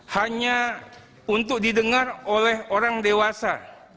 hanya untuk didengar oleh orang dewasa